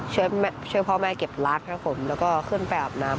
เชิญพ่อแม่เก็บล๊ากแล้วก็เคลื่อนไปอาบน้ำ